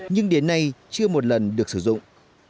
nhưng đến nay chưa một lần được sử dụng